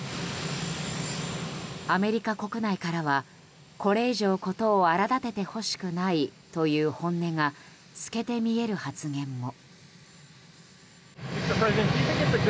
アメリカ国内からは、これ以上事を荒立ててほしくないという本音が透けて見える発言も。